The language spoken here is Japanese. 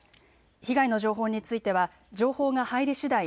被害の情報については情報が入りしだい